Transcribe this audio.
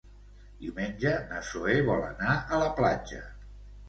Diumenge na Zoè vol anar a la platja.